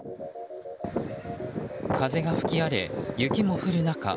風が吹き荒れ、雪も降る中